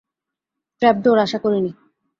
Trapdoor, আশা করিনি।